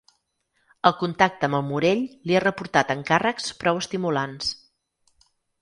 El contacte amb el Morell li ha reportat encàrrecs prou estimulants.